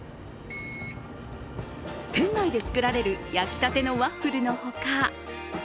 店内で作られる焼きたてのワッフルの他